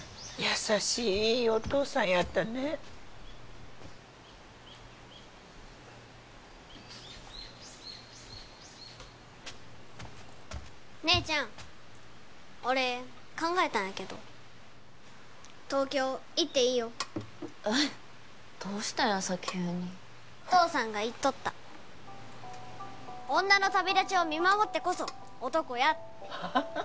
優しいいいお父さんやったね姉ちゃん俺考えたんやけど東京行っていいよえっどうしたんやさ急にお父さんが言っとった女の旅立ちを見守ってこそ男やってはあ？